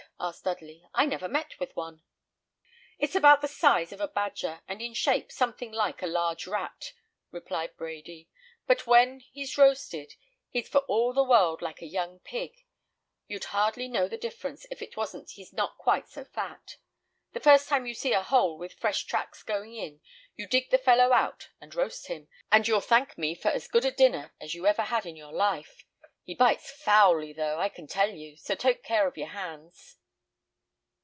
asked Dudley. "I never met with one." "It's about the size of a badger, and in shape something like a large rat," replied Brady; "but when, he's roasted, he's for all the world like a young pig; you'd hardly know the difference if it wasn't he's not quite so fat. The first time you see a hole with fresh tracks going in, you dig the fellow out and roast him, and you'll thank me for as good a dinner as ever you had in your life. He bites foully, though, I can tell you, so take care of your hands."